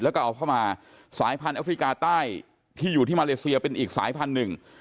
แล้วก็เอาเข้ามาสายพันธุ์แอฟริกาใต้ที่อยู่ที่มาเลเซียเป็นอีกสายพันธุ์หนึ่ง